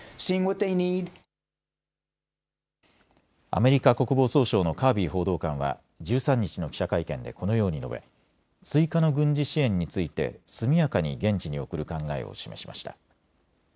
アメリカ国防総省のカービー報道官は、１３日の記者会見でこのように述べ追加の軍事支援について速やかに現地に送る考えを示しました。